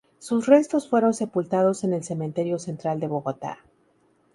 Sus restos fueron sepultados en el Cementerio Central de Bogotá.